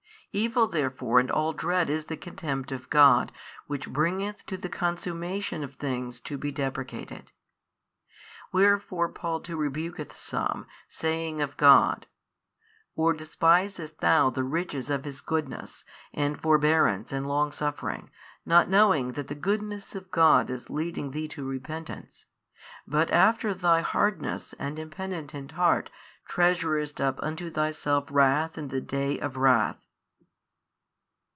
Evil therefore and all dread is the contempt of God which bringeth to the consummation of things to be deprecated. Wherefore Paul too rebuketh some, saying of God, Or despisest thou the riches of His goodness and forbearance and long suffering, not knowing that the goodness of God is leading thee to repentance, but after thy hardness and impenitent heart treasurest up unto thyself wrath in the Day of wrath?